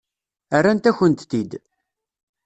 Rrant-akent-t-id.